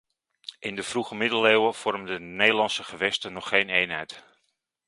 In de vroege middeleeuwen vormden de Nederlandse gewesten nog geen eenheid.